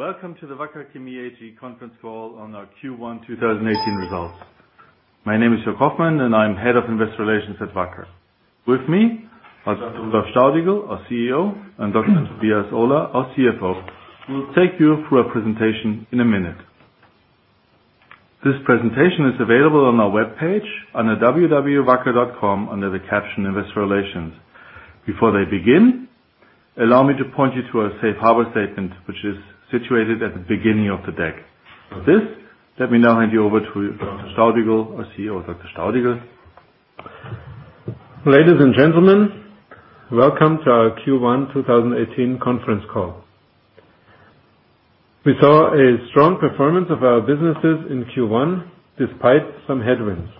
Welcome to the Wacker Chemie AG conference call on our Q1 2018 results. My name is Joerg Hoffmann, and I'm Head of Investor Relations at Wacker. With me are Dr. Rudolf Staudigl, our CEO, and Dr. Tobias Ohler, our CFO, who will take you through a presentation in a minute. This presentation is available on our webpage under www.wacker.com under the caption, Investor Relations. Before they begin, allow me to point you to our safe harbor statement, which is situated at the beginning of the deck. For this, let me now hand you over to Dr. Staudigl, our CEO. Dr. Staudigl. Ladies and gentlemen, welcome to our Q1 2018 conference call. We saw a strong performance of our businesses in Q1 despite some headwinds.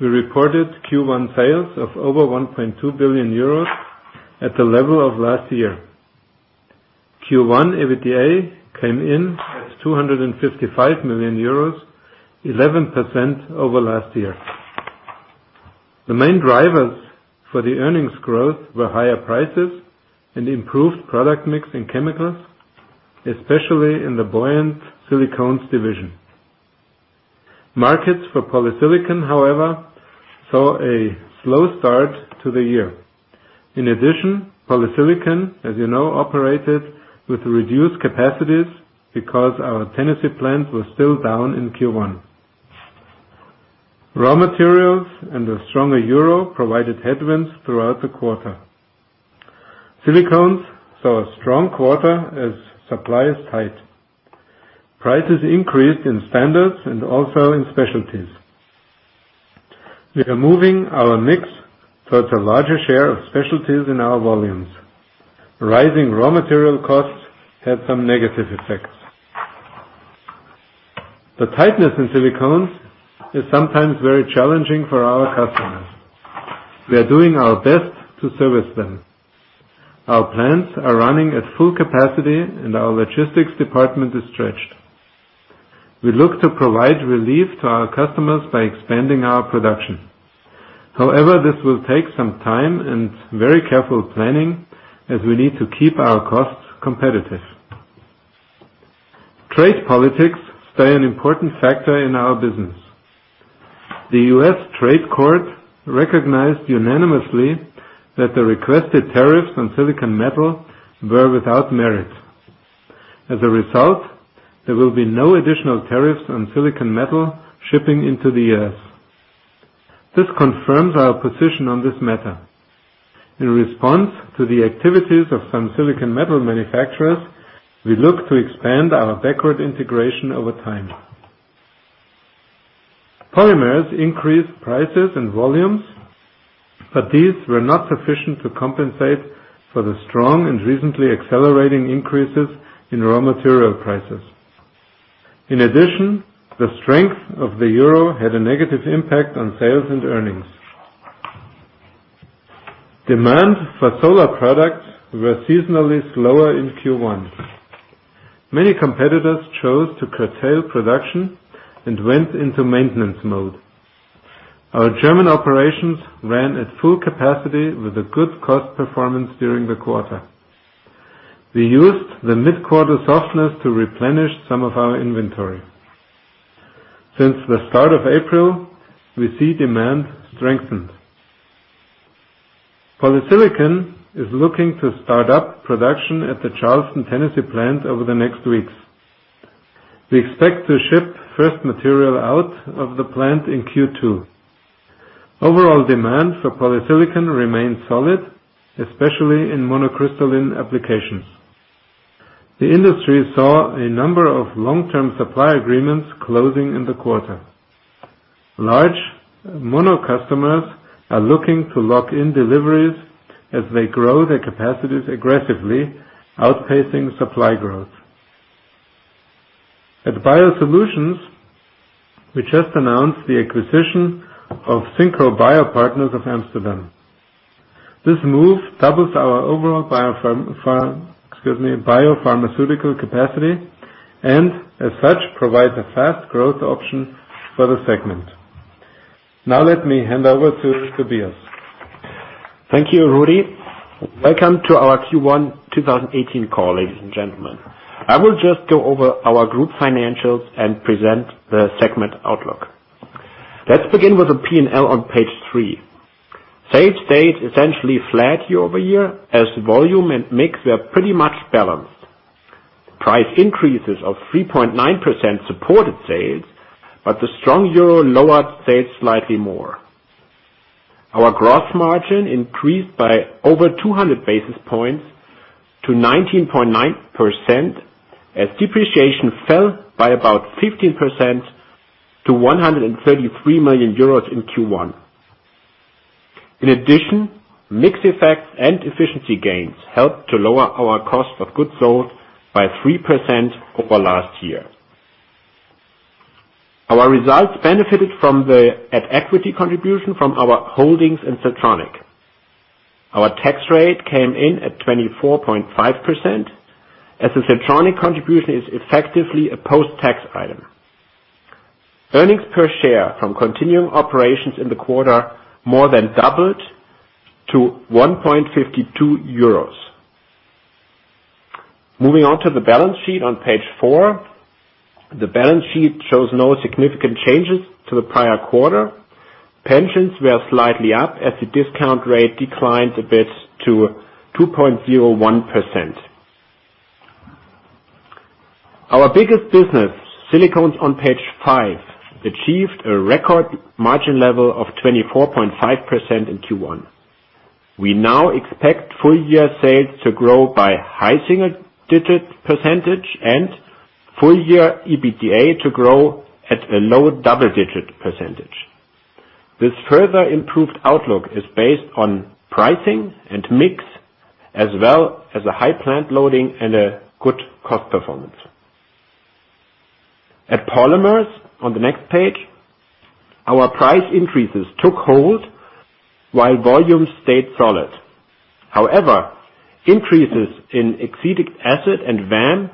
We reported Q1 sales of over 1.2 billion euros at the level of last year. Q1 EBITDA came in at 255 million euros, 11% over last year. The main drivers for the earnings growth were higher prices and improved product mix in chemicals, especially in the buoyant silicones division. Markets for polysilicon, however, saw a slow start to the year. In addition, polysilicon, as you know, operated with reduced capacities because our Tennessee plant was still down in Q1. Raw materials and a stronger euro provided headwinds throughout the quarter. Silicones saw a strong quarter as supply is tight. Prices increased in standards and also in specialties. We are moving our mix towards a larger share of specialties in our volumes. Rising raw material costs had some negative effects. The tightness in silicones is sometimes very challenging for our customers. We are doing our best to service them. Our plants are running at full capacity and our logistics department is stretched. We look to provide relief to our customers by expanding our production. However, this will take some time and very careful planning as we need to keep our costs competitive. Trade politics stay an important factor in our business. The U.S. Trade Court recognized unanimously that the requested tariffs on silicone metal were without merit. As a result, there will be no additional tariffs on silicone metal shipping into the U.S. This confirms our position on this matter. In response to the activities of some silicone metal manufacturers, we look to expand our backward integration over time. Polymers increased prices and volumes, but these were not sufficient to compensate for the strong and recently accelerating increases in raw material prices. In addition, the strength of the euro had a negative impact on sales and earnings. Demand for solar products were seasonally slower in Q1. Many competitors chose to curtail production and went into maintenance mode. Our German operations ran at full capacity with a good cost performance during the quarter. We used the mid-quarter softness to replenish some of our inventory. Since the start of April, we see demand strengthened. polysilicon is looking to start up production at the Charleston, Tennessee plant over the next weeks. We expect to ship first material out of the plant in Q2. Overall demand for polysilicon remains solid, especially in monocrystalline applications. The industry saw a number of long-term supply agreements closing in the quarter. Large mono customers are looking to lock in deliveries as they grow their capacities aggressively, outpacing supply growth. At Biosolutions, we just announced the acquisition of SynCo Bio Partners of Amsterdam. This move doubles our overall biopharmaceutical capacity, and as such, provides a fast growth option for the segment. Let me hand over to Tobias. Thank you, Rudy. Welcome to our Q1 2018 call, ladies and gentlemen. I will just go over our group financials and present the segment outlook. Let's begin with the P&L on page three. Sales stayed essentially flat year-over-year as volume and mix were pretty much balanced. Price increases of 3.9% supported sales, but the strong EUR lowered sales slightly more. Our gross margin increased by over 200 basis points to 19.9% as depreciation fell by about 15% to 133 million euros in Q1. In addition, mix effects and efficiency gains helped to lower our cost of goods sold by 3% over last year. Our results benefited from the at-equity contribution from our holdings in Siltronic. Our tax rate came in at 24.5% as the Siltronic contribution is effectively a post-tax item. Earnings per share from continuing operations in the quarter more than doubled to 1.52 euros. Moving on to the balance sheet on page four. The balance sheet shows no significant changes to the prior quarter. Pensions were slightly up as the discount rate declined a bit to 2.01%. Our biggest business, silicones on page five, achieved a record margin level of 24.5% in Q1. We now expect full year sales to grow by high single-digit percentage and full year EBITDA to grow at a low double-digit percentage. This further improved outlook is based on pricing and mix, as well as a high plant loading and a good cost performance. At polymers, on the next page, our price increases took hold while volumes stayed solid. However, increases in acetic acid and VAM,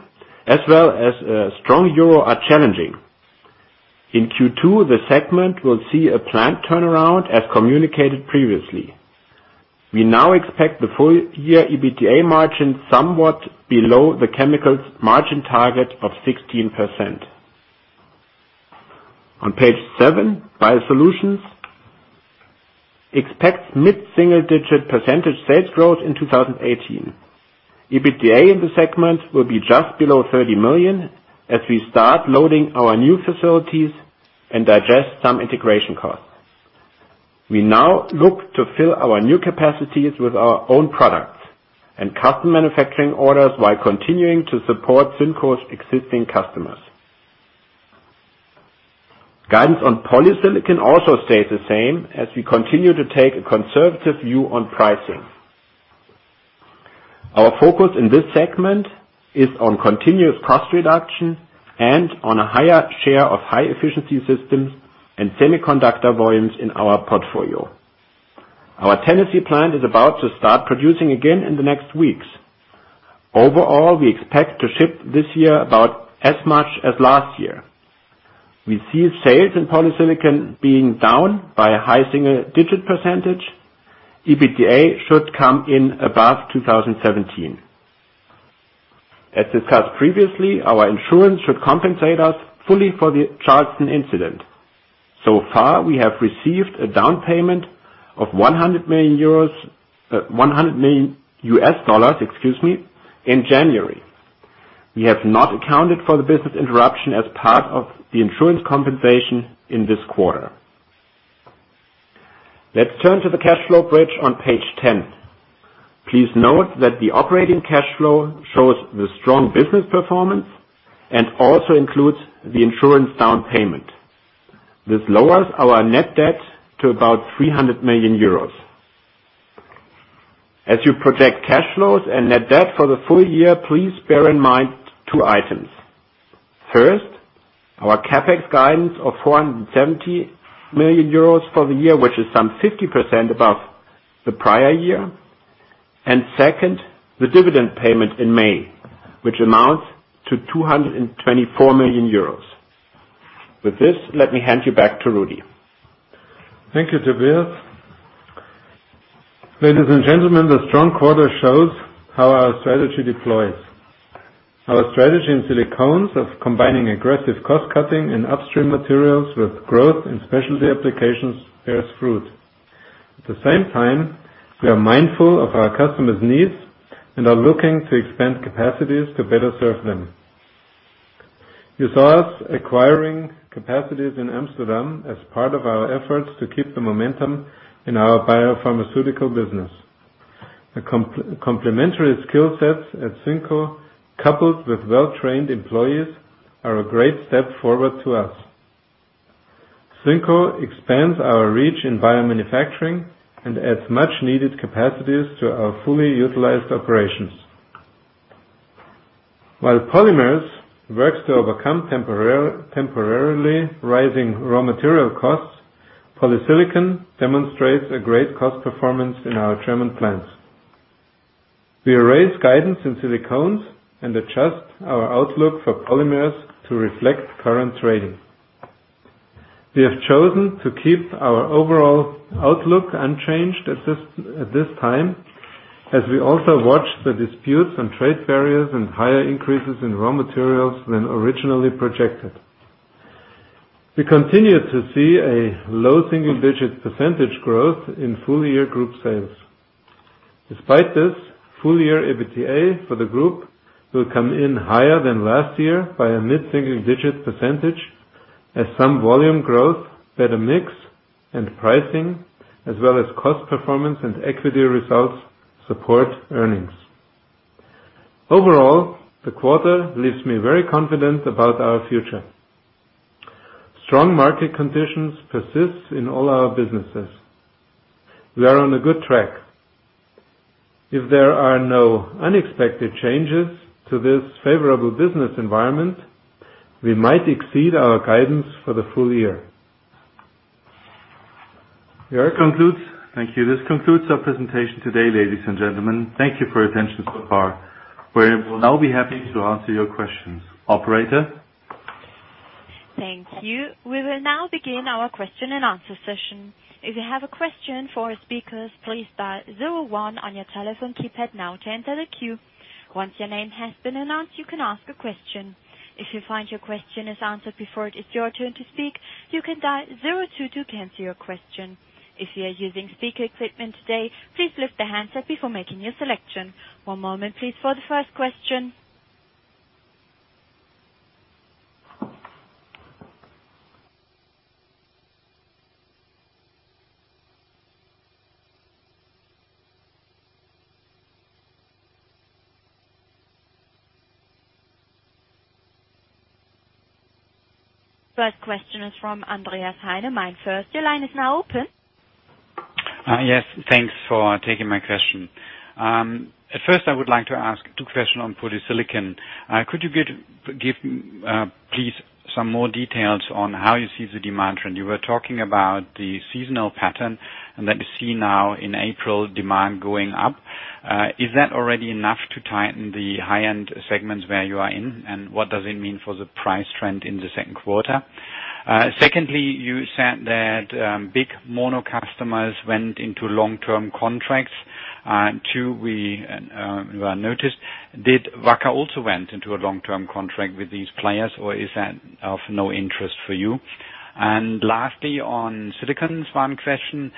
as well as a strong EUR, are challenging. In Q2, the segment will see a plant turnaround as communicated previously. We now expect the full year EBITDA margin somewhat below the chemicals margin target of 16%. On page seven, Biosolutions expects mid-single digit percentage sales growth in 2018. EBITDA in the segment will be just below 30 million as we start loading our new facilities and digest some integration costs. We now look to fill our new capacities with our own products and custom manufacturing orders while continuing to support Synco's existing customers. Guidance on polysilicon also stays the same as we continue to take a conservative view on pricing. Our focus in this segment is on continuous cost reduction and on a higher share of high-efficiency systems and semiconductor volumes in our portfolio. Our Tennessee plant is about to start producing again in the next weeks. Overall, we expect to ship this year about as much as last year. We see sales in polysilicon being down by a high single-digit percentage. EBITDA should come in above 2017. As discussed previously, our insurance should compensate us fully for the Charleston incident. So far, we have received a down payment of $100 million, excuse me, in January. We have not accounted for the business interruption as part of the insurance compensation in this quarter. Let's turn to the cash flow bridge on page 10. Please note that the operating cash flow shows the strong business performance and also includes the insurance down payment. This lowers our net debt to about €300 million. As you project cash flows and net debt for the full year, please bear in mind two items. First, our CapEx guidance of €470 million for the year, which is some 50% above the prior year. Second, the dividend payment in May, which amounts to €224 million. With this, let me hand you back to Rudi. Thank you, Tobias. Ladies and gentlemen, the strong quarter shows how our strategy deploys. Our strategy in silicones of combining aggressive cost-cutting and upstream materials with growth in specialty applications bears fruit. At the same time, we are mindful of our customers' needs and are looking to expand capacities to better serve them. You saw us acquiring capacities in Amsterdam as part of our efforts to keep the momentum in our biopharmaceutical business. The complementary skill sets at Synco, coupled with well-trained employees, are a great step forward to us. Synco expands our reach in biomanufacturing and adds much needed capacities to our fully utilized operations. While polymers works to overcome temporarily rising raw material costs, polysilicon demonstrates a great cost performance in our German plants. We raise guidance in silicones and adjust our outlook for polymers to reflect current trading. We have chosen to keep our overall outlook unchanged at this time, as we also watch the disputes on trade barriers and higher increases in raw materials than originally projected. We continue to see a low single-digit percentage growth in full-year group sales. Despite this, full-year EBITDA for the group will come in higher than last year by a mid-single digit percentage as some volume growth, better mix and pricing, as well as cost performance and equity results support earnings. Overall, the quarter leaves me very confident about our future. Strong market conditions persist in all our businesses. We are on a good track. If there are no unexpected changes to this favorable business environment, we might exceed our guidance for the full year. Thank you. This concludes our presentation today, ladies and gentlemen. Thank you for your attention so far. We will now be happy to answer your questions. Operator? Thank you. We will now begin our question and answer session. If you have a question for our speakers, please dial 01 on your telephone keypad now to enter the queue. Once your name has been announced, you can ask a question. If you find your question is answered before it is your turn to speak, you can dial 02 to cancel your question. If you are using speaker equipment today, please lift the handset before making your selection. One moment please, for the first question. First question is from Andreas Heine, MainFirst. Your line is now open. Thanks for taking my question. First, I would like to ask two question on polysilicon. Could you give, please, some more details on how you see the demand trend? You were talking about the seasonal pattern and that you see now in April demand going up. Is that already enough to tighten the high-end segments where you are in? What does it mean for the price trend in the second quarter? Secondly, you said that big mono customers went into long-term contracts. Two, we noticed, did Wacker also went into a long-term contract with these players, or is that of no interest for you? Lastly, on silicones, one question.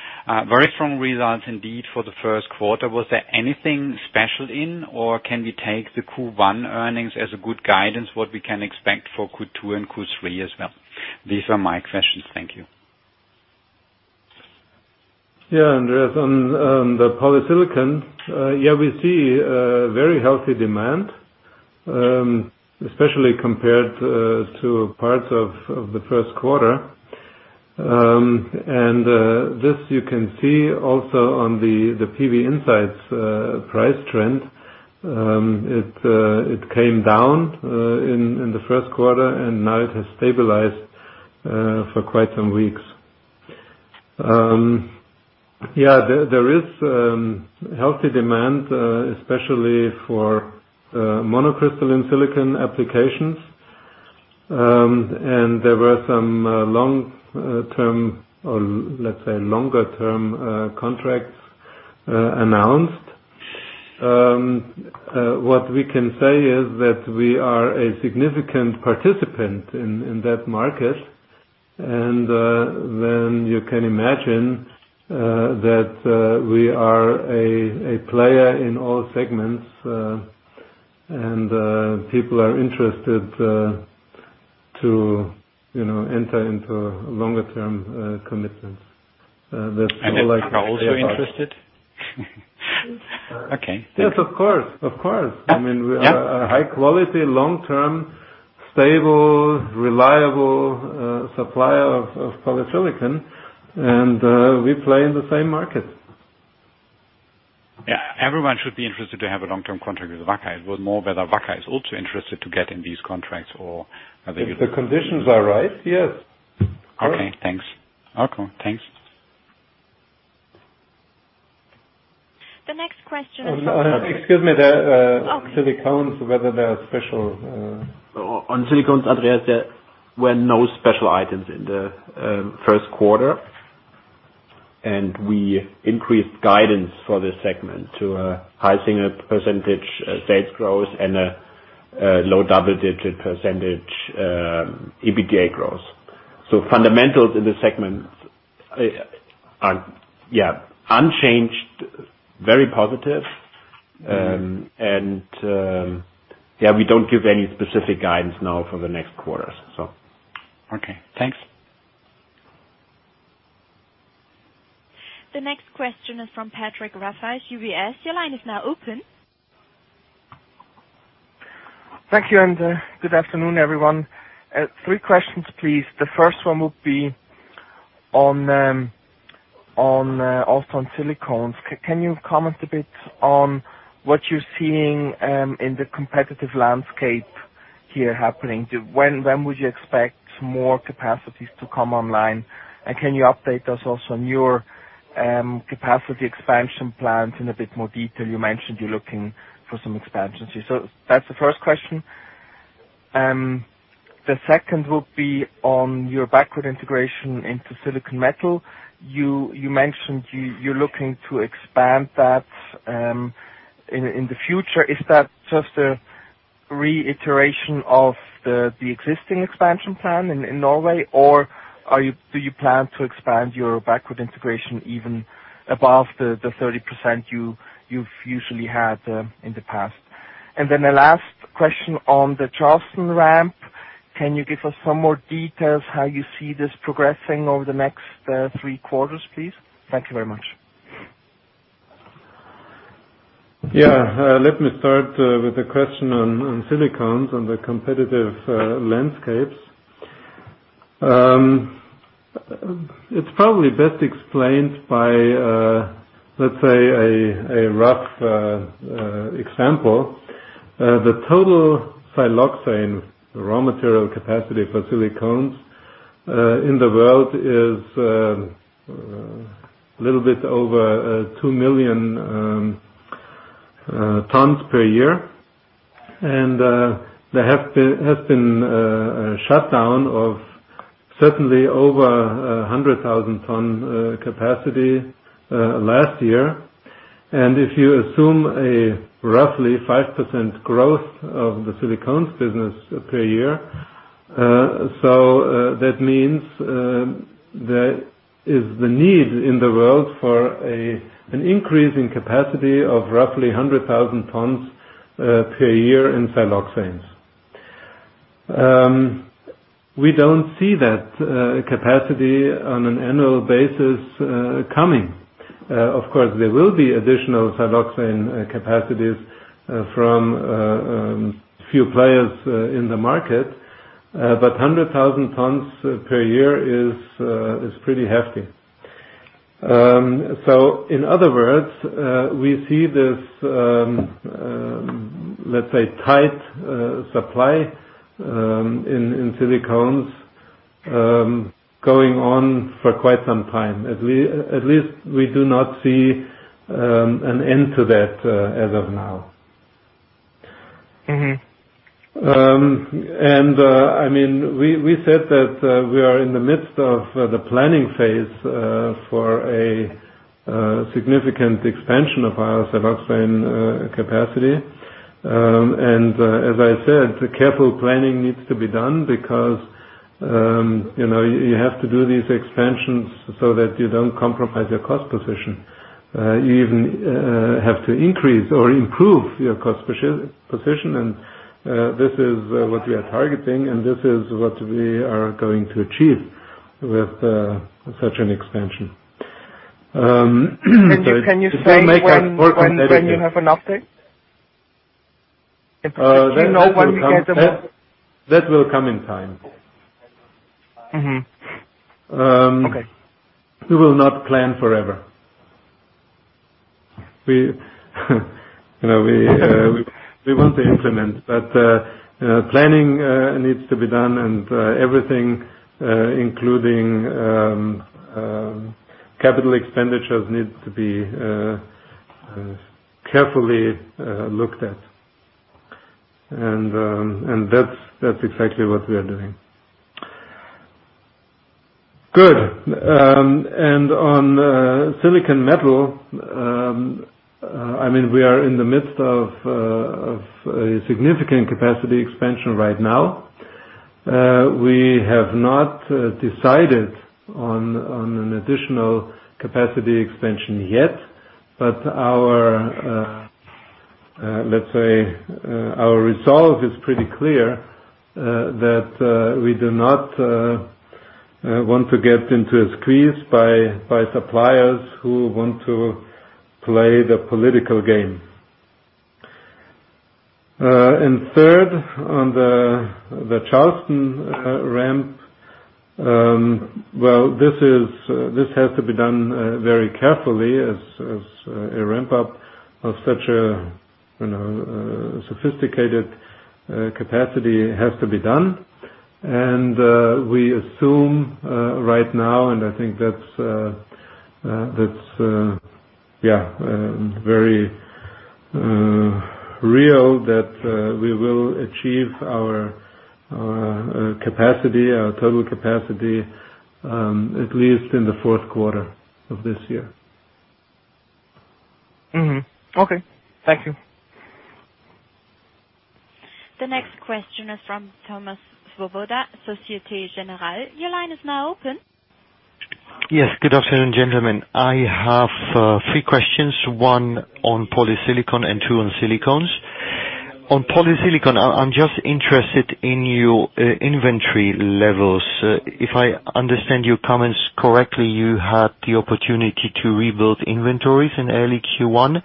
Very strong results indeed for the first quarter. Was there anything special in, or can we take the Q1 earnings as a good guidance, what we can expect for Q2 and Q3 as well? These are my questions. Thank you. Andreas, on the polysilicon, we see a very healthy demand, especially compared to parts of the first quarter. This you can see also on the PVinsights price trend. It came down in the first quarter, and now it has stabilized for quite some weeks. There is healthy demand, especially for monocrystalline silicone applications. There were some long-term, or let's say, longer-term contracts announced. What we can say is that we are a significant participant in that market. You can imagine that we are a player in all segments, and people are interested to enter into longer-term commitments. Are you also interested? Okay. Yes, of course. Of course. We are a high-quality, long-term, stable, reliable supplier of polysilicon, and we play in the same market. Yeah. Everyone should be interested to have a long-term contract with Wacker. It was more whether Wacker is also interested to get in these contracts. If the conditions are right, yes. Okay, thanks. The next question- Excuse me, the silicones, whether they are special? On silicones, Andreas, there were no special items in the first quarter. We increased guidance for this segment to a high single percentage sales growth and a low double-digit percentage EBITDA growth. Fundamentals in the segment are unchanged, very positive. Yeah, we don't give any specific guidance now for the next quarters. Okay, thanks. The next question is from Patrick Rafaisz, UBS. Your line is now open. Thank you. Good afternoon, everyone. Three questions, please. The first one would be also on silicones. Can you comment a bit on what you're seeing in the competitive landscape here happening? When would you expect more capacities to come online? Can you update us also on your capacity expansion plans in a bit more detail? You mentioned you're looking for some expansions. That's the first question. The second would be on your backward integration into silicone metal. You mentioned you're looking to expand that in the future. Is that just a reiteration of the existing expansion plan in Norway, or do you plan to expand your backward integration even above the 30% you've usually had in the past? The last question on the Charleston ramp, can you give us some more details how you see this progressing over the next three quarters, please? Thank you very much. Yeah. Let me start with the question on silicones and the competitive landscapes. It's probably best explained by, let's say, a rough example. The total siloxane raw material capacity for silicones in the world is a little bit over 2 million tons per year, and there has been a shutdown of certainly over 100,000 ton capacity last year. If you assume a roughly 5% growth of the silicones business per year, that means there is the need in the world for an increase in capacity of roughly 100,000 tons per year in siloxanes. We don't see that capacity on an annual basis coming. Of course, there will be additional siloxane capacities from a few players in the market, but 100,000 tons per year is pretty hefty. In other words, we see this, let's say, tight supply in silicones going on for quite some time. At least we do not see an end to that as of now. We said that we are in the midst of the planning phase for a significant expansion of our siloxane capacity. As I said, careful planning needs to be done because you have to do these expansions so that you don't compromise your cost position. You even have to increase or improve your cost position, and this is what we are targeting, and this is what we are going to achieve with such an expansion. It doesn't make us work on anything. Can you say when you have an update? That will come in time. Mm-hmm. Okay. We will not plan forever. We want to implement, planning needs to be done, and everything, including capital expenditures, needs to be carefully looked at. That's exactly what we are doing. Good. On silicone metal, we are in the midst of a significant capacity expansion right now. We have not decided on an additional capacity expansion yet. Let's say our resolve is pretty clear, that we do not want to get into a squeeze by suppliers who want to play the political game. Third, on the Charleston ramp. Well, this has to be done very carefully, as a ramp-up of such a sophisticated capacity has to be done. We assume right now, and I think that's very real, that we will achieve our total capacity at least in the fourth quarter of this year. Mm-hmm. Okay. Thank you. The next question is from Thomas Swoboda, Société Générale. Your line is now open. Yes. Good afternoon, gentlemen. I have three questions, one on polysilicon and two on silicones. On polysilicon, I'm just interested in your inventory levels. If I understand your comments correctly, you had the opportunity to rebuild inventories in early Q1.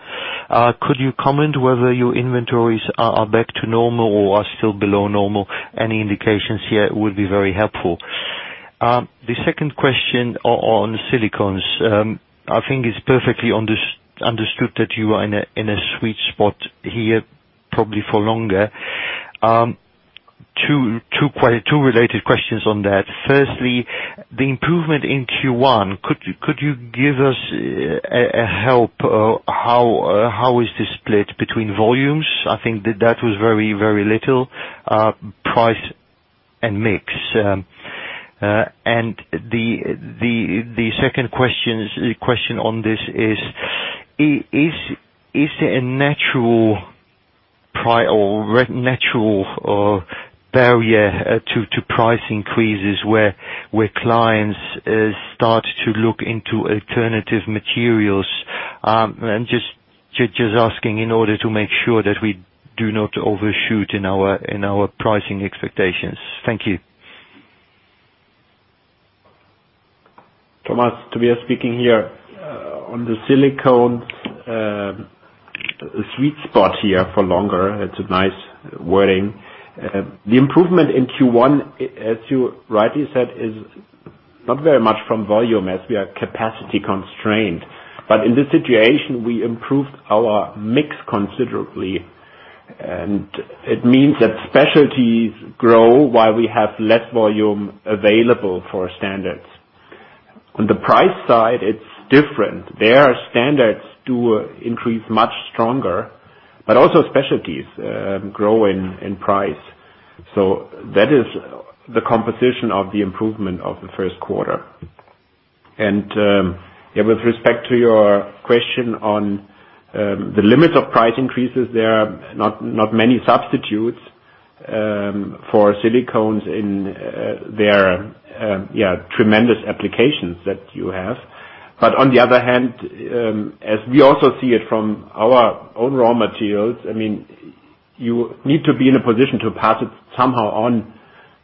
Could you comment whether your inventories are back to normal or are still below normal? Any indications here would be very helpful. The second question on silicones. I think it's perfectly understood that you are in a sweet spot here probably for longer. Two related questions on that. Firstly, the improvement in Q1, could you give us a help? How is this split between volumes, I think that was very little, price, and mix? The second question on this is there a natural barrier to price increases where clients start to look into alternative materials? I'm just asking in order to make sure that we do not overshoot in our pricing expectations. Thank you. Thomas, Tobias speaking here. On the silicone sweet spot here for longer, it's a nice wording. The improvement in Q1, as you rightly said, is Not very much from volume as we are capacity constrained. In this situation, we improved our mix considerably, and it means that specialties grow while we have less volume available for standards. On the price side, it's different. There, standards do increase much stronger, but also specialties grow in price. That is the composition of the improvement of the first quarter. With respect to your question on the limits of price increases, there are not many substitutes for silicones in their tremendous applications that you have. On the other hand, as we also see it from our own raw materials, you need to be in a position to pass it somehow on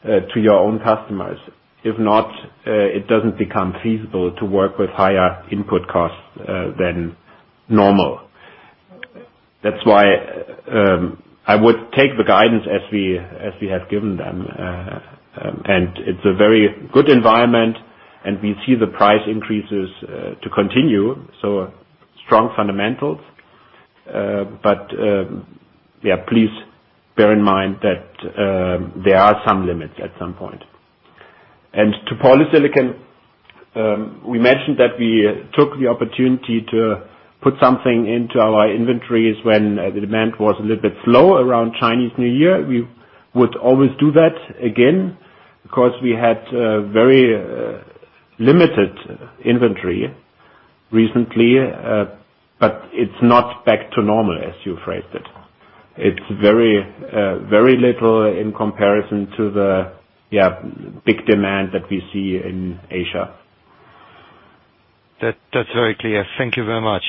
to your own customers. If not, it doesn't become feasible to work with higher input costs than normal. That's why I would take the guidance as we have given them. It's a very good environment, and we see the price increases to continue. Strong fundamentals. Please bear in mind that there are some limits at some point. To polysilicon, we mentioned that we took the opportunity to put something into our inventories when the demand was a little bit slow around Chinese New Year. We would always do that again because we had very limited inventory recently. It's not back to normal as you phrased it. It's very little in comparison to the big demand that we see in Asia. That's very clear. Thank you very much.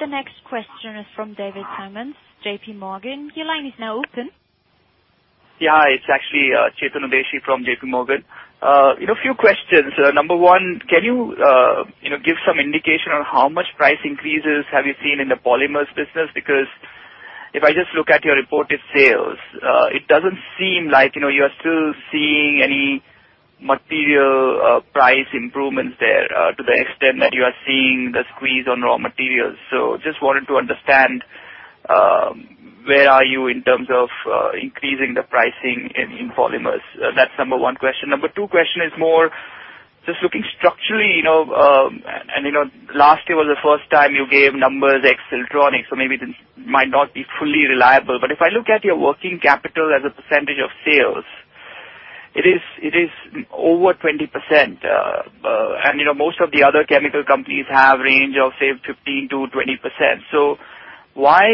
The next question is from David Simmons, JPMorgan. Your line is now open. Yeah. It is actually Chetan Udeshi from JPMorgan. A few questions. Number one, can you give some indication on how much price increases have you seen in the polymers business? If I just look at your reported sales, it does not seem like you are still seeing any material price improvements there to the extent that you are seeing the squeeze on raw materials. Just wanted to understand, where are you in terms of increasing the pricing in polymers? That is number one question. Number two question is more just looking structurally. Last year was the first time you gave numbers, ex-Siltronic, maybe this might not be fully reliable. If I look at your working capital as a percentage of sales, it is over 20%. Most of the other chemical companies have range of, say, 15%-20%. Why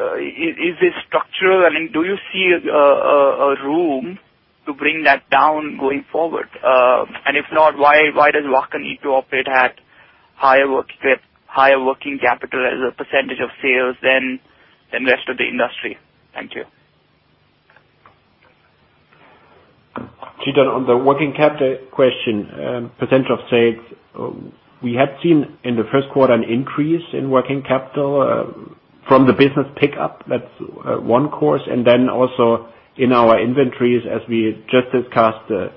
is this structural? Do you see a room to bring that down going forward? If not, why does Wacker need to operate at higher working capital as a percentage of sales than rest of the industry? Thank you. Chetan, on the working capital question, percentage of sales, we had seen in the first quarter an increase in working capital from the business pickup. That is one course. Also in our inventories, as we just discussed a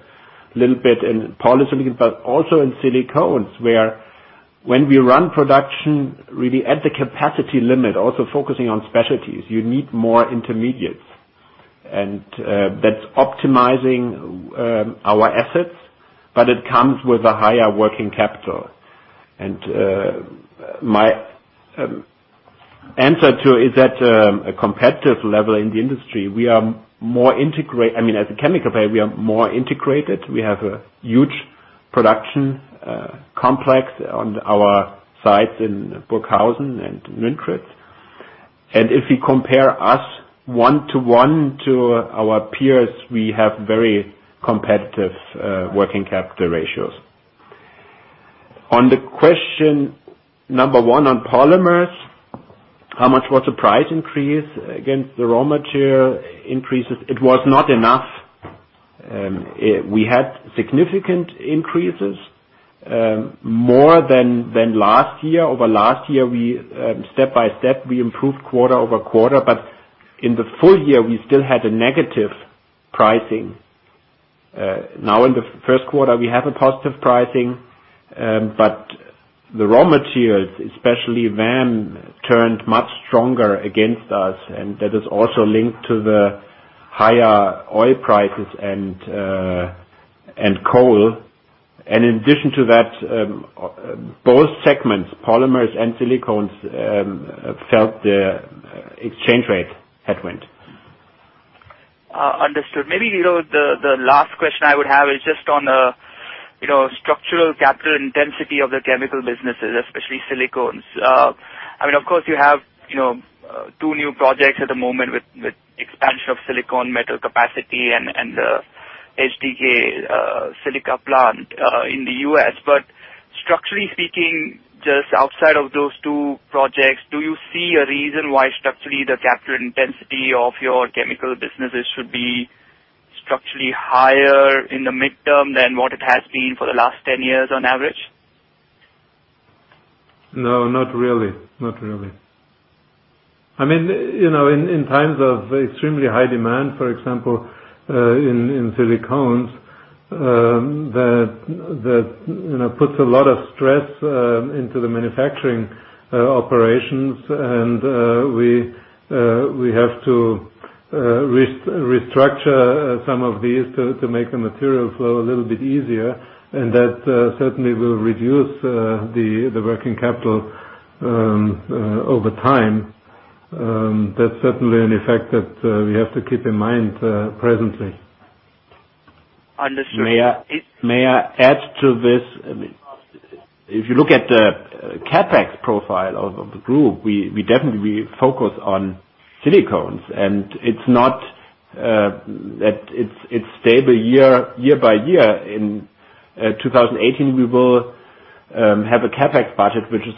little bit in polysilicon, but also in silicones where when we run production really at the capacity limit, also focusing on specialties, you need more intermediates. That is optimizing our assets, but it comes with a higher working capital. My answer to is that a competitive level in the industry? As a chemical player, we are more integrated. We have a huge production complex on our sites in Burghausen and Nünchritz. If we compare us one-to-one to our peers, we have very competitive working capital ratios. On the question number one on polymers, how much was the price increase against the raw material increases? It was not enough. We had significant increases, more than last year. Over last year, step by step, we improved quarter over quarter, in the full year, we still had a negative pricing. Now in the first quarter, we have a positive pricing. The raw materials, especially VAM, turned much stronger against us, and that is also linked to the higher oil prices and coal. In addition to that, both segments, polymers and silicones, felt the exchange rate headwind. Understood. Maybe the last question I would have is just on the structural capital intensity of the chemical businesses, especially silicones. Of course, you have two new projects at the moment with expansion of silicone metal capacity and the HDK silica plant in the U.S. Structurally speaking, just outside of those two projects, do you see a reason why structurally the capital intensity of your chemical businesses should be structurally higher in the midterm than what it has been for the last 10 years on average? No, not really. In times of extremely high demand, for example, in silicones, that puts a lot of stress into the manufacturing operations, and we have to restructure some of these to make the material flow a little bit easier, and that certainly will reduce the working capital over time. That's certainly an effect that we have to keep in mind presently. Understood. May I add to this? If you look at the CapEx profile of the group, we definitely focus on silicones, and it's stable year by year. In 2018, we will have a CapEx budget, which is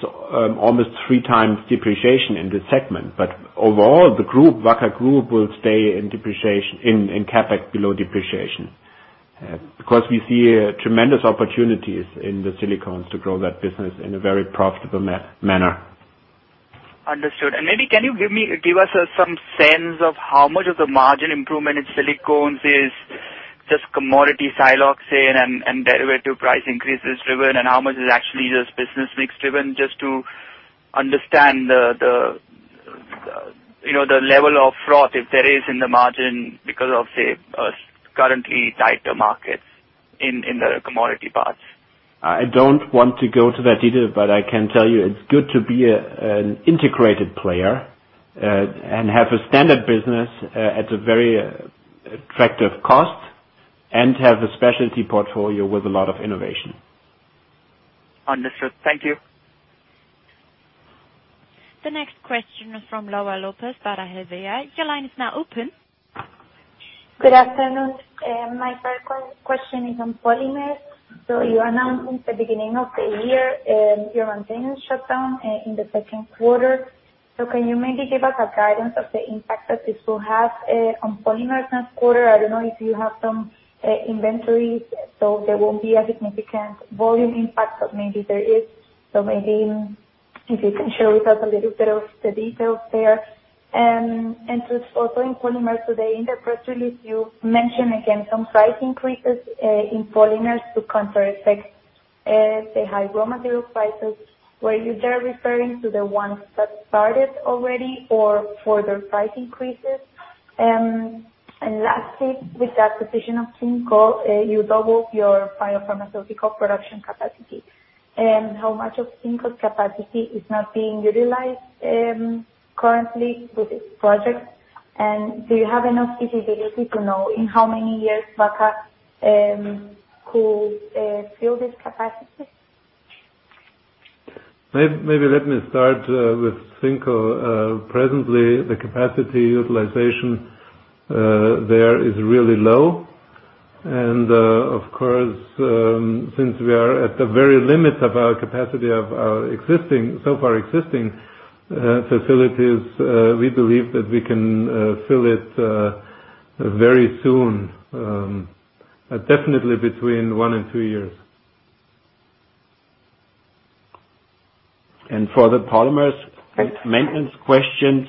almost three times depreciation in this segment. Overall, the Wacker Group will stay in CapEx below depreciation. We see tremendous opportunities in the silicones to grow that business in a very profitable manner. Understood. Maybe can you give us some sense of how much of the margin improvement in silicones is just commodity siloxane and derivative price increases driven, and how much is actually just business mix driven, just to understand the level of froth, if there is, in the margin because of, say, currently tighter markets in the commodity parts. I don't want to go to that detail, but I can tell you it's good to be an integrated player and have a standard business at a very attractive cost and have a specialty portfolio with a lot of innovation. Understood. Thank you. The next question is from Laura Lopez, Baader Bank. Your line is now open. Good afternoon. My first question is on polymers. You announced at the beginning of the year your maintenance shutdown in the second quarter. Can you maybe give us a guidance of the impact that this will have on polymers next quarter? I don't know if you have some inventories, so there won't be a significant volume impact, but maybe there is. Maybe if you can share with us a little bit of the details there. Also in polymers, so in the press release you mentioned again some price increases in polymers to counteract the high raw material prices. Were you there referring to the ones that started already or further price increases? Lastly, with the acquisition of Synco, you double your biopharmaceutical production capacity. How much of Synco's capacity is not being utilized currently with its projects, do you have enough visibility to know in how many years Wacker could fill this capacity? Maybe let me start with Synco. Presently, the capacity utilization there is really low. Of course, since we are at the very limit of our capacity of our so far existing facilities, we believe that we can fill it very soon. Definitely between one and two years. For the polymers maintenance question,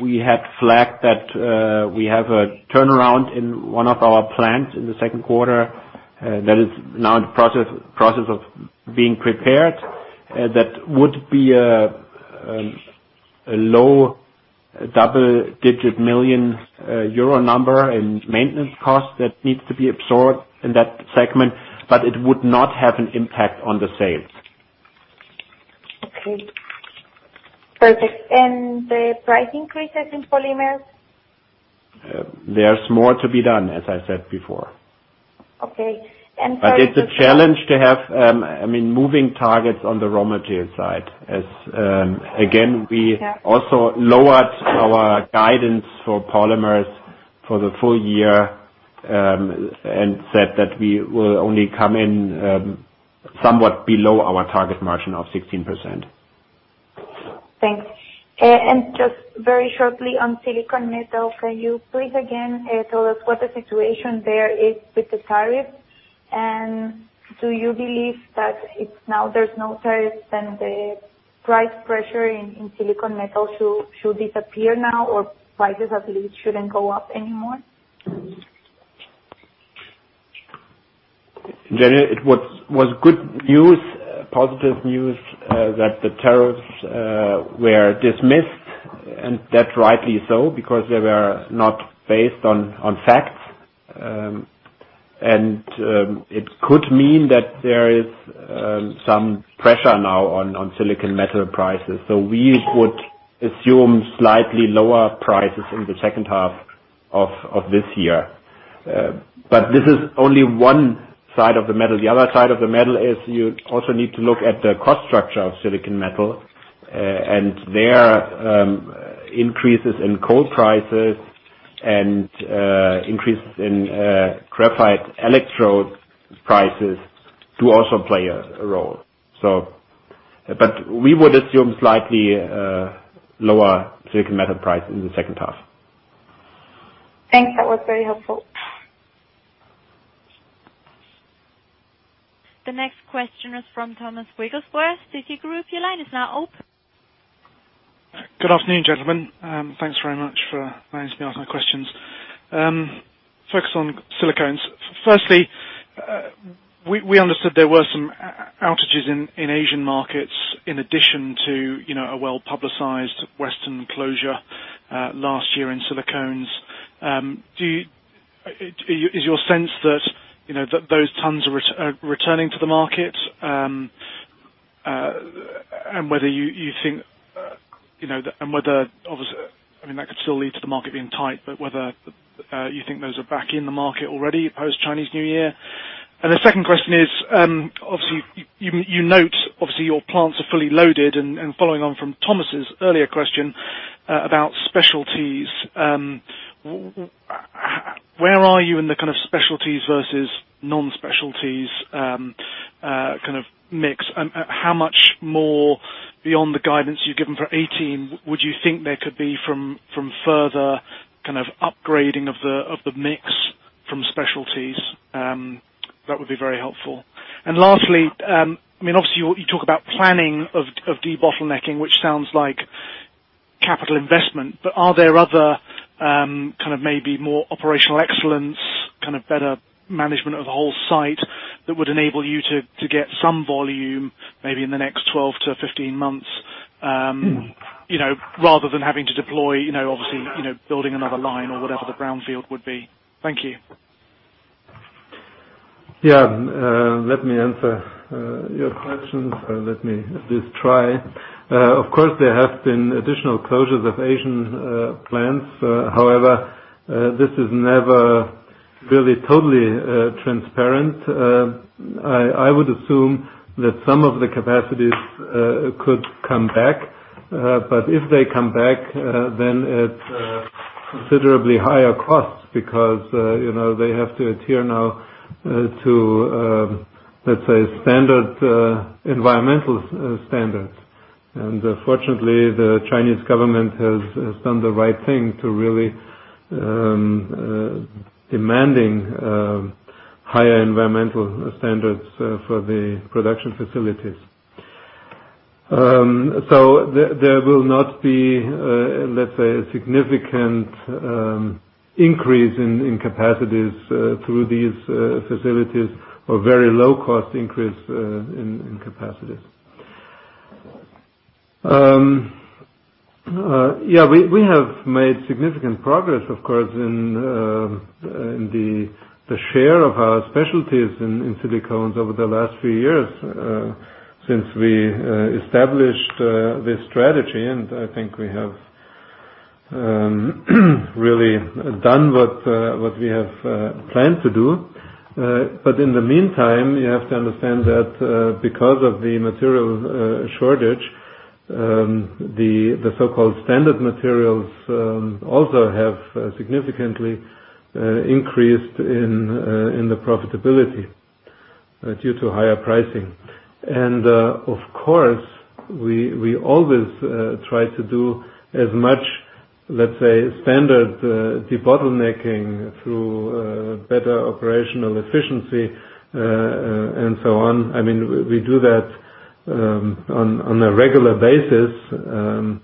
we had flagged that we have a turnaround in one of our plants in the second quarter that is now in the process of being prepared. That would be a low double-digit million EUR number in maintenance cost that needs to be absorbed in that segment, it would not have an impact on the sale. Okay. Perfect. The price increases in polymers? There's more to be done, as I said before. Okay. It's a challenge to have moving targets on the raw material side, as, again, we also lowered our guidance for polymers for the full year, and said that we will only come in somewhat below our target margin of 16%. Thanks. Just very shortly on silicone metal, can you please again tell us what the situation there is with the tariffs? Do you believe that now there's no tariffs, then the price pressure in silicone metal should disappear now, or prices at least shouldn't go up anymore? It was good news, positive news that the tariffs were dismissed, and that rightly so, because they were not based on facts. It could mean that there is some pressure now on silicone metal prices. We would assume slightly lower prices in the second half of this year. This is only one side of the medal. The other side of the medal is you also need to look at the cost structure of silicone metal, and there, increases in coal prices and increases in graphite electrode prices do also play a role. We would assume slightly lower silicone metal price in the second half. Thanks. That was very helpful. The next question is from Thomas Wrigglesworth, Citigroup. Your line is now open. Good afternoon, gentlemen. Thanks very much for allowing me to ask my questions. Focus on silicones. Firstly, we understood there were some outages in Asian markets in addition to a well-publicized Western closure last year in silicones. Is your sense that those tons are returning to the market? Whether, obviously, that could still lead to the market being tight, but whether you think those are back in the market already post-Chinese New Year. The second question is, obviously you note your plants are fully loaded and following on from Thomas's earlier question about specialties. Where are you in the kind of specialties versus non-specialties kind of mix? How much more beyond the guidance you've given for 2018 would you think there could be from further kind of upgrading of the mix from specialties? That would be very helpful. Lastly, obviously you talk about planning of debottlenecking, which sounds like capital investment, but are there other kind of maybe more operational excellence, kind of better management of the whole site that would enable you to get some volume maybe in the next 12 to 15 months, rather than having to deploy, obviously, building another line or whatever the brownfield would be. Thank you. Yeah. Let me answer your questions or let me at least try. There have been additional closures of Asian plants. This is never really totally transparent. I would assume that some of the capacities could come back. If they come back, then at considerably higher costs because they have to adhere now to, let's say, standard environmental standards. Fortunately, the Chinese government has done the right thing to really demanding higher environmental standards for the production facilities. There will not be, let's say, a significant increase in capacities through these facilities or very low-cost increase in capacities. Yeah, we have made significant progress, of course, in the share of our specialties in silicones over the last few years since we established this strategy. I think we have really done what we have planned to do. In the meantime, you have to understand that because of the material shortage, the so-called standard materials also have significantly increased in the profitability due to higher pricing. Of course, we always try to do as much, let's say, standard debottlenecking through better operational efficiency and so on. We do that on a regular basis.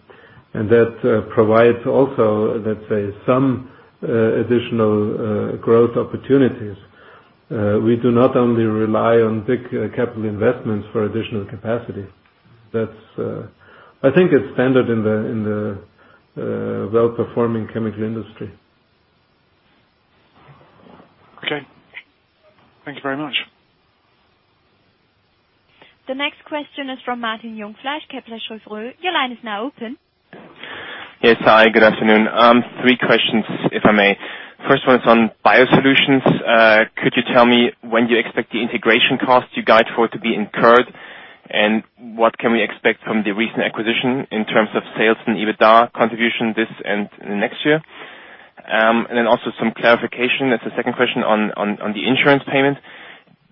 That provides also, let's say, some additional growth opportunities. We do not only rely on big capital investments for additional capacity. I think it's standard in the well-performing chemical industry. Okay. Thank you very much. The next question is from Martin Jungfleisch, Kepler Cheuvreux. Your line is now open. Yes. Hi, good afternoon. Three questions, if I may. First one is on biosolutions. Could you tell me when you expect the integration costs you guide for it to be incurred? What can we expect from the recent acquisition in terms of sales and EBITDA contribution this and next year? Also some clarification as the second question on the insurance payment.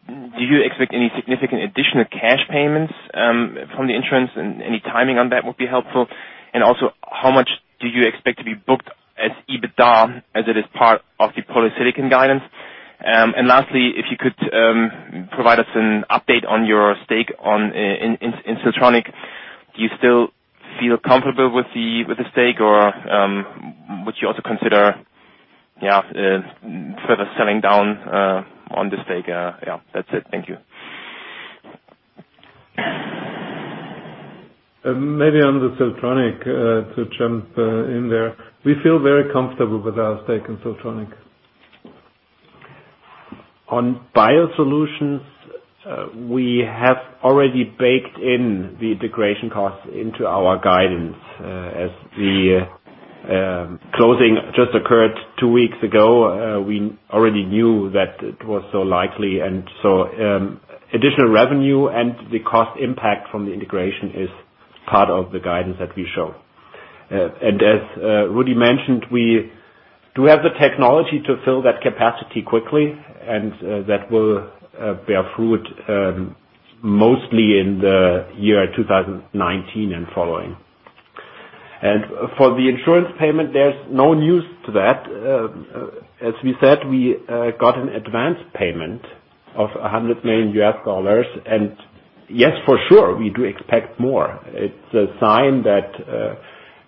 Do you expect any significant additional cash payments from the insurance, and any timing on that would be helpful. Also, how much do you expect to be booked as EBITDA as it is part of the polysilicon guidance? Lastly, if you could provide us an update on your stake in Siltronic. Do you still feel comfortable with the stake or would you also consider further selling down on the stake? Yeah. That's it. Thank you. Maybe on the Siltronic, to jump in there. We feel very comfortable with our stake in Siltronic. On biosolutions, we have already baked in the integration costs into our guidance. As the closing just occurred two weeks ago, we already knew that it was so likely. So additional revenue and the cost impact from the integration is part of the guidance that we show. As Rudy mentioned, we do have the technology to fill that capacity quickly, and that will bear fruit mostly in the year 2019 and following. For the insurance payment, there's no news to that. As we said, we got an advance payment of $100 million. Yes, for sure, we do expect more. It's a sign that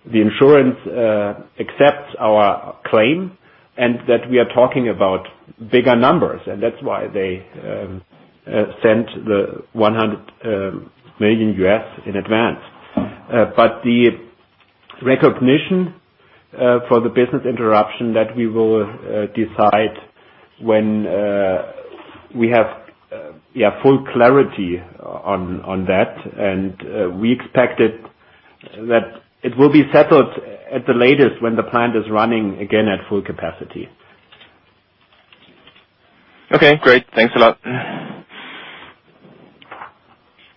the insurance accepts our claim and that we are talking about bigger numbers, and that's why they sent the $100 million in advance. The recognition for the business interruption that we will decide when we have full clarity on that. We expect that it will be settled at the latest when the plant is running again at full capacity. Okay, great. Thanks a lot.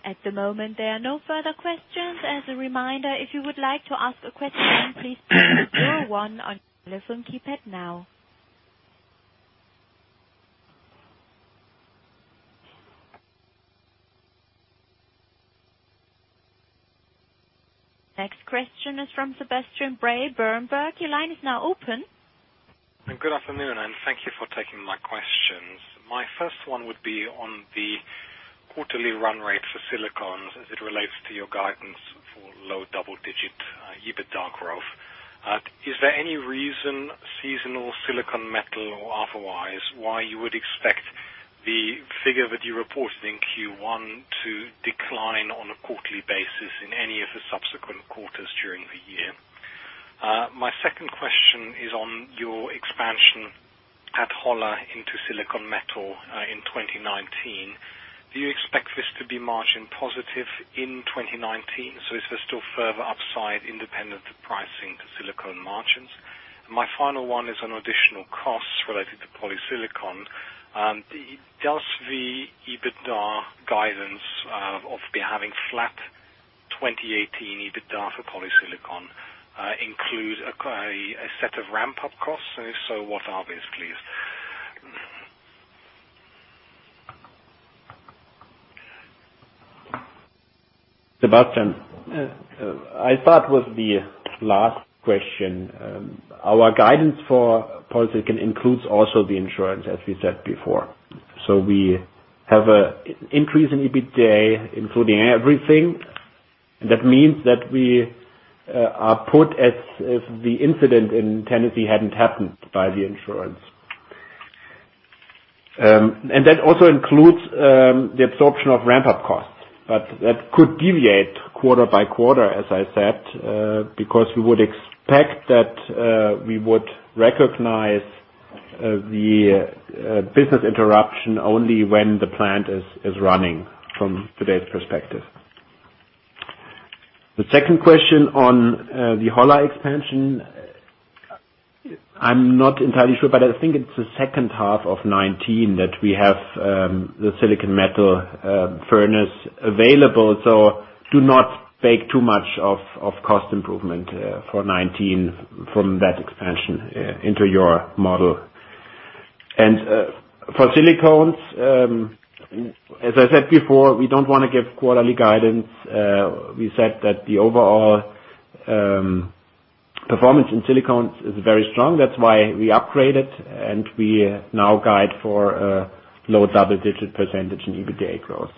At the moment, there are no further questions. As a reminder, if you would like to ask a question, please press 01 on your telephone keypad now. Next question is from Sebastian Bray, Berenberg. Your line is now open. Good afternoon, thank you for taking my questions. My first one would be on the quarterly run rate for silicone as it relates to your guidance for low double-digit EBITDA growth. Is there any reason, seasonal silicone metal or otherwise, why you would expect the figure that you reported in Q1 to decline on a quarterly basis in any of the subsequent quarters during the year? My second question is on your expansion at Holla into silicone metal in 2019. Do you expect this to be margin positive in 2019? Is there still further upside independent to pricing to silicone margins? My final one is on additional costs related to polysilicon. Does the EBITDA guidance of having flat 2018 EBITDA for polysilicon include a set of ramp-up costs? If so, what are these, please? Sebastian, I'll start with the last question. Our guidance for polysilicon includes also the insurance, as we said before. We have an increase in EBITDA, including everything. That means that we are put as if the incident in Tennessee hadn't happened by the insurance. That also includes the absorption of ramp-up costs. That could deviate quarter by quarter, as I said, because we would expect that we would recognize the business interruption only when the plant is running from today's perspective. The second question on the Holla expansion, I'm not entirely sure, but I think it's the second half of 2019 that we have the silicone metal furnace available. Do not bake too much of cost improvement for 2019 from that expansion into your model. For silicones, as I said before, we don't want to give quarterly guidance. We said that the overall performance in silicones is very strong. That's why we upgraded, and we now guide for a low double-digit percentage in EBITDA growth.